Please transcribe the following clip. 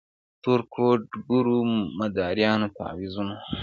تر کوډ ګرو- مداریانو- تعویذونو-